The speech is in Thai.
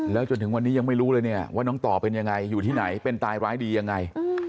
แล้วจนถึงวันนี้ยังไม่รู้เลยเนี่ยว่าน้องต่อเป็นยังไงอยู่ที่ไหนเป็นตายร้ายดียังไง